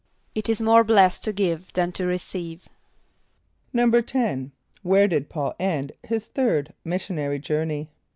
="It is more blessed to give than to receive."= =10.= Where did P[a:]ul end his third missionary journey?